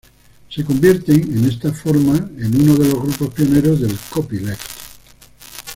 Se convierten de esta forma en uno de los grupos pioneros del Copyleft.